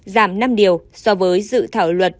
giảm năm điều so với dự thảo luật